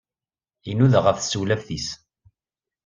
Inuda ɣef tsewlaft-is.